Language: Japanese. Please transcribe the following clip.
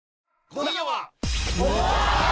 今夜は！